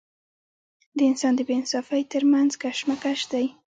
د انسان د بې انصافۍ تر منځ کشمکش دی.